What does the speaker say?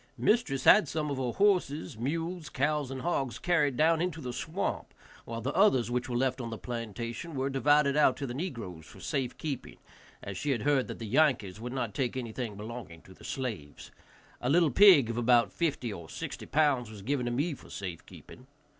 Mistress had some of her horses, mules, cows and hogs carried down into the swamp, while the others which were left on the plantation were divided out to the negroes for safe keeping, as she had heard that the Yankees would not take anything belonging to the slaves. A little pig of about fifty or sixty pounds was given to me for safe keeping.